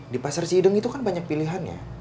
di pasar cideng itu kan banyak pilihannya